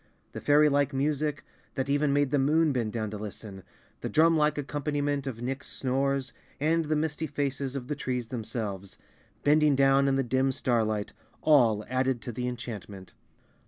The fairylike music, that even made the Moon bend down to listen, the drumlike ac¬ companiment of Nick's snores and the misty faces of the trees themselves, bending down in the dim starlight, all added to the enchantment.